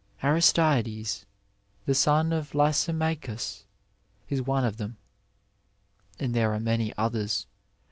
Aristeides, the son of Lysi maohus, is one of them, and there are many others.